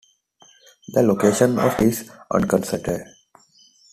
The location of the battle is uncertain.